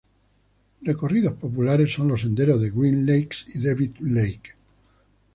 Recorridos populares son los senderos de Green Lakes y Devils Lake.